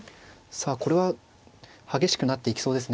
さあこれは激しくなっていきそうですね。